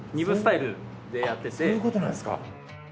あっそういうことなんですか。